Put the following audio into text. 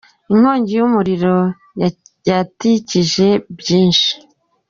Inkongi y’umuriro yatikije byinshi